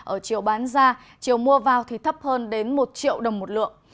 ở chiều bán ra chiều mua vào thì thấp hơn đến một triệu đồng một lượng